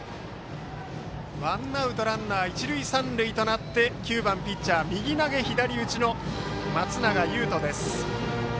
ワンアウトランナー、一塁三塁で９番ピッチャー右投げ左打ちの松永優斗です。